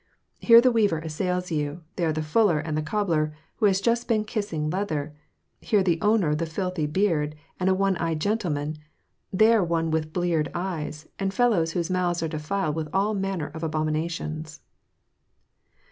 Here the weaver assails you, there the fuller and the cobbler, who has just been kissing leather; here the owner of the filthy beard, and a one eyed gentleman; there one with bleared eyes, and fellows whose mouths are defiled with all manner of abominations."